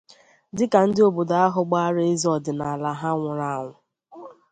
dịka ndị obodo ahụ gbaara eze ọdịnala ha nwụrụ anwụ